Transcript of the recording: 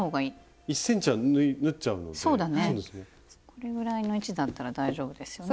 これぐらいの位置だったら大丈夫ですよね。